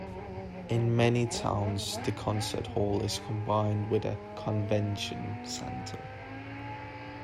In many towns, the concert hall is combined with a convention center.